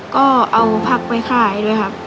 ก็เอาพักไปขายด้วยครับ